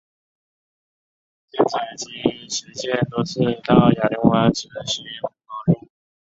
舰载机随舰多次到亚丁湾执行护航任务。